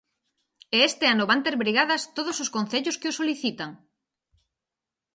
E este ano van ter brigadas todos os concellos que o solicitan.